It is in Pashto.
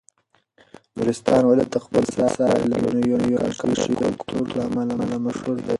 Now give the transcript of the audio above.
نورستان ولایت د خپلو بې ساري لرګینو نقاشیو او کلتور له امله مشهور دی.